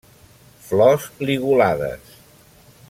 Flors ligulades.